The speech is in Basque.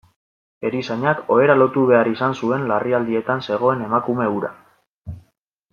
Erizainak ohera lotu behar izan zuen larrialdietan zegoen emakume hura.